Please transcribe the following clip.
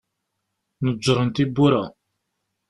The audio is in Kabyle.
Neǧǧren tiwwura.